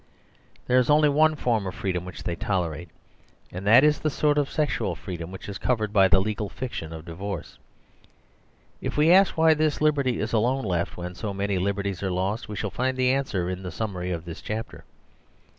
There is only one form of freedom which they tolerate ; and that is the sort of sexual freedom which is covered by the legal fiction of divorce. If we ask why this liberty is alone left, when so many liberties are lost, we shall find the an swer in the summary of this chapter.